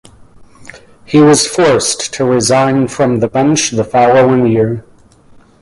He was forced to resign from the Bench the following year.